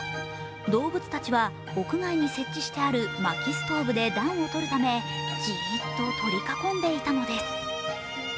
動物たちは屋外に設置してあるまきストーブで暖をとるためじーっと取り囲んでいたのです。